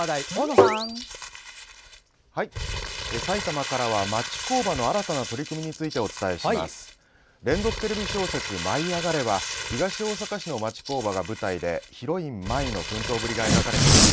さいたまからは町工場の新たな取り組みについてお伝えします。